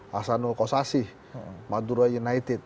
hasanul kossasih madura united